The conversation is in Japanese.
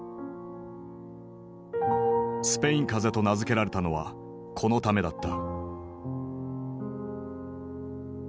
スペイン風邪と名付けられたのはこのためだった。